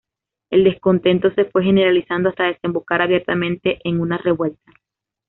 El descontento se fue generalizando hasta desembocar abiertamente en una revuelta.